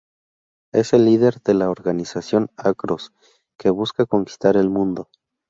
Es el líder de la organización Across, que busca conquistar el mundo.